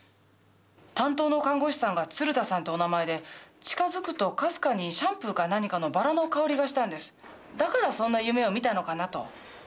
担当の看護師さんが「鶴田」さんってお名前で近づくとかすかにシャンプーか何かのバラの香りがしたんですだからそんな夢を見たのかなと。